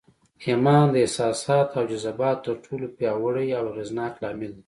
ايمان د احساساتو او جذباتو تر ټولو پياوړی او اغېزناک لامل دی.